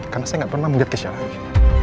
karena saya gak pernah melihat keisha lagi